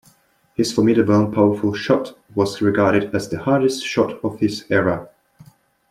His formidable and powerful shot was regarded as the hardest shot of his era.